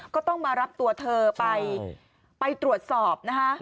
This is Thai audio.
ก็ต้องมารับตัวเธอไปไปตรวจสอบนะคะ